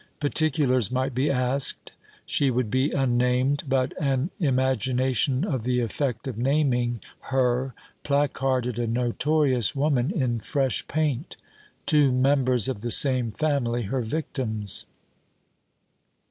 Particulars might be asked. She would be unnamed, but an imagination of the effect of naming her placarded a notorious woman in fresh paint: two members of the same family her victims!